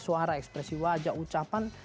suara ekspresi wajah ucapan